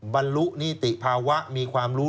บรรลุนิติภาวะมีความรู้